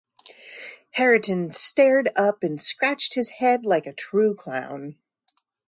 Hareton stared up, and scratched his head like a true clown.